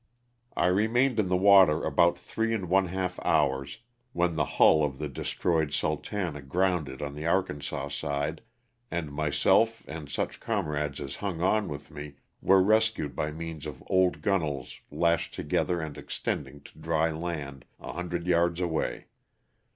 I remained in the water about three and one half hours, when the hull of the destroyed "Sultana" grounded on the Arkansas side and myself and such comrades as hung on with me were rescued by means of old gunwales lashed together and extending to dry land a hundred yards away.